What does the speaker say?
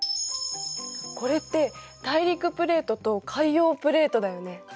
これって大陸プレートと海洋プレートだよね。